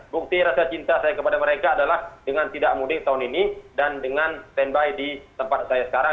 bukti rasa cinta saya kepada mereka adalah dengan tidak mudik tahun ini dan dengan standby di tempat saya sekarang